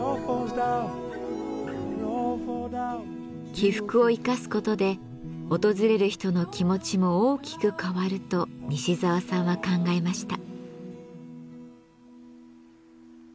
起伏を生かすことで訪れる人の気持ちも大きく変わると西沢さんは考えました。